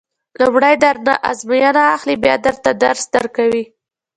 لومړی درنه ازموینه اخلي بیا درته درس درکوي.